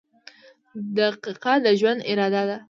• دقیقه د ژوند اراده ده.